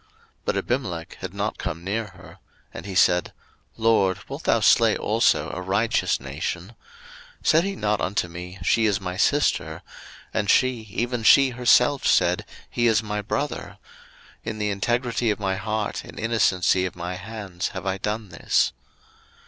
01:020:004 But Abimelech had not come near her: and he said, LORD, wilt thou slay also a righteous nation? 01:020:005 Said he not unto me, She is my sister? and she, even she herself said, He is my brother: in the integrity of my heart and innocency of my hands have I done this.